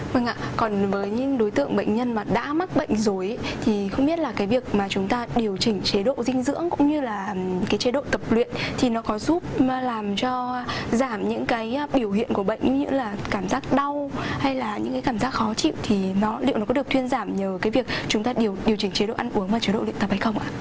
vâng ạ còn với những đối tượng bệnh nhân mà đã mắc bệnh rồi thì không biết là cái việc mà chúng ta điều chỉnh chế độ dinh dưỡng cũng như là chế độ tập luyện thì nó có giúp làm cho giảm những cái biểu hiện của bệnh như là cảm giác đau hay là những cái cảm giác khó chịu thì liệu nó có được thuyên giảm nhờ cái việc chúng ta điều chỉnh chế độ ăn uống và chế độ luyện tập hay không ạ